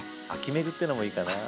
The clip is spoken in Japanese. メグっていうのもいいかな。